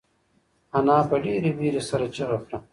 انا په ډېرې وېرې سره چیغه کړه.